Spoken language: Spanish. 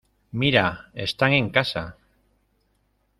¡ Mira! Están en casa.